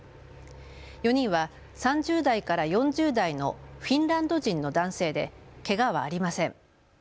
４人は３０代から４０代のフィンランド人の男性でけがはありません。